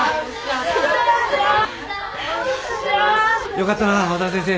よかったなあ小沢先生。